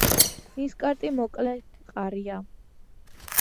ნისკარტი მოკლე, მყარია.